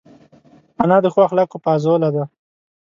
انا د ښو اخلاقو پازواله ده